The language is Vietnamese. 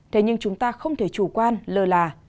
thế nhưng chúng ta không thể chủ quan lơ là